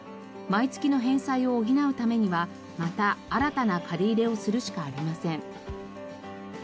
毎月の返済を補うためにはまた新たな借り入れをするしかありません。